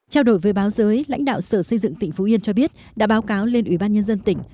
trao đổi với báo giới lãnh đạo sở xây dựng tỉnh phú yên cho biết đã báo cáo lên ủy ban nhân dân tỉnh